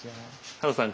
ハルさん